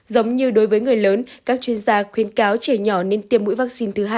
giống như đối với người lớn các chuyên gia khuyên cáo trẻ nhỏ nên tiêm mũi vaccine thứ hai